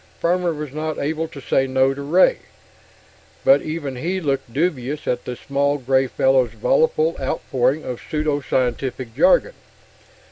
Farmer was not able to say no to Ray, but even he looked dubious at the small gray fellow's voluble outpouring of pseudo scientific jargon.